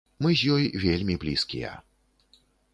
Мы з ёй вельмі блізкія.